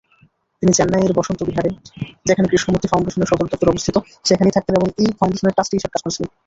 তিনি চেন্নাইয়ের বসন্ত বিহারে, যেখানে কৃষ্ণমূর্তি ফাউন্ডেশনের সদর দফতর অবস্থিত, সেখানেই থাকতেন এবং এই ফাউন্ডেশনের ট্রাস্টি হিসাবে কাজ করেছিলেন।